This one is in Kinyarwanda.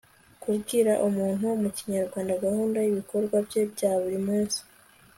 kubwira umuntu mu kinyarwanda gahunda y'ibikorwa bye bya buri munsi